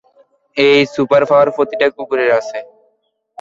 এই সুপারপাওয়ার প্রতিটা কুকুরের আছে।